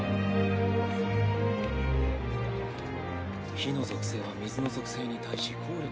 火の属性は水の属性に対し効力が。